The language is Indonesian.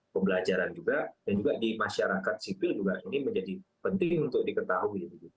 pembelajaran juga dan juga di masyarakat sipil juga ini menjadi penting untuk diketahui